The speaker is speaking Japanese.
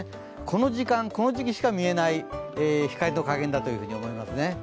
この時間、この時期しか見えない光の加減だと思いますね。